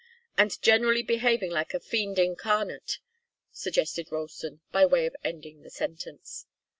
"And generally behaving like a fiend incarnate," suggested Ralston, by way of ending the sentence.